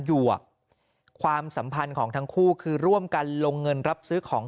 หวกความสัมพันธ์ของทั้งคู่คือร่วมกันลงเงินรับซื้อของ